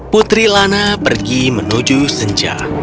putri lana pergi menuju senja